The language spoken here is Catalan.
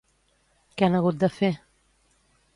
Què han hagut de fer?